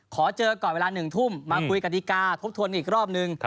ขอเจอก่อนเวลา๑ทุ่มมาคุยกฎิกาทบทวนอีกรอบนึง